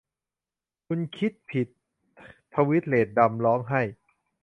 'คุณคิดผิด !' ทวีดเลดดัมร้องไห้